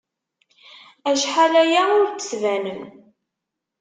Acḥal aya ur d-tbanem.